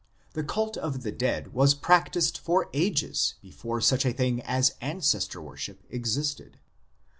The Cult of the Dead was practised for ages before such a thing as Ancestor worship existed.